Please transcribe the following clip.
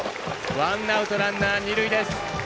ワンアウト、ランナー、二塁です。